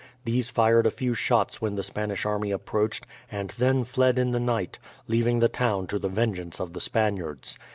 These fired a few shots when the Spanish army approached, and then fled in the night, leaving the town to the vengeance of the Spaniards.